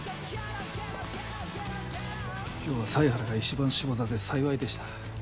今日は犀原がいちばん下座で幸いでした。